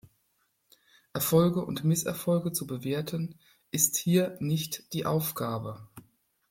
Erfolge und Misserfolge zu bewerten, ist hier nicht die Aufgabe.